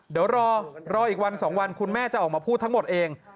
เดี๋ยวรอรออีกวัน๒วันคุณแม่จะออกมาพูดทั้งหมดเอง